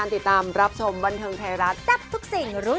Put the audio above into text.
อันนี้เธอใช้เยอะไปหรือเปล่า